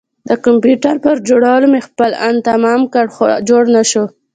د کمپيوټر پر جوړولو مې خپل ان تمام کړ خو جوړ نه شو.